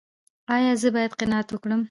ایا زه باید قناعت وکړم؟